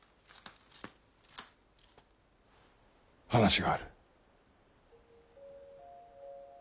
話がある。